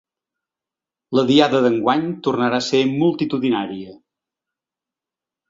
La Diada d’enguany tornarà a ser multitudinària.